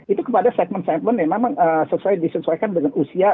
itu kepada segmen segmen yang memang disesuaikan dengan usia